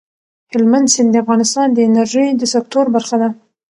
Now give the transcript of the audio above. هلمند سیند د افغانستان د انرژۍ د سکتور برخه ده.